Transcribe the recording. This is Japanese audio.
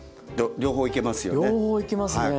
両方いけますよね。